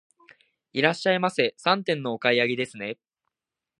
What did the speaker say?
いらっしゃいませ、三点のお買い上げですね。